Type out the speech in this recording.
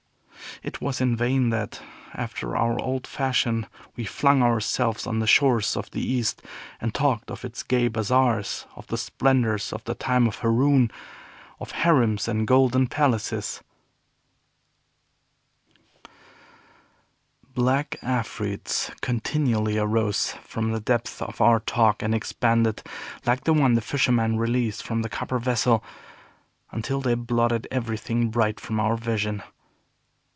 It was in vain that, after our old fashion, we flung ourselves on the shores of the East, and talked of its gay bazaars, of the splendors of the time of Haroun, of harems and golden palaces. Black afreets continually arose from the depths of our talk, and expanded, like the one the fisherman released from the copper vessel, until they blotted everything bright from our vision.